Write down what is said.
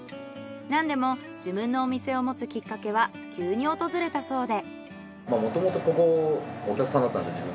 なんでも自分のお店を持つきっかけは急に訪れたそうで。